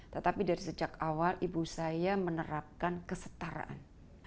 tetapi dari sejak awal ibu saya menerapkan kesetaraan